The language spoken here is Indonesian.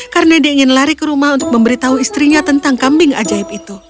karena dia ingin lari ke rumah untuk memberitahu istrinya tentang kambing ajaib itu